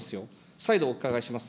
再度お伺いします。